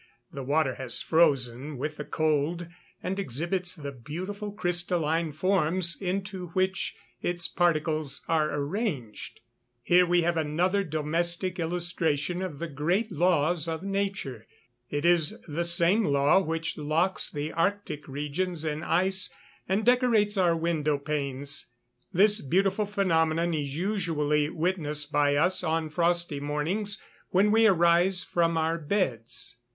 The water has frozen with the cold, and exhibits the beautiful crystalline forms into which its particles are arranged. Here we have another domestic illustration of the great laws of nature. It is the same law which locks the arctic regions in ice and decorates our window panes. This beautiful phenomenon is usually witnessed by us on frosty mornings when we rise from our beds.